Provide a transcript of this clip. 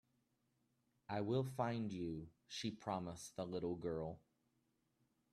"I will find you.", she promised the little girl.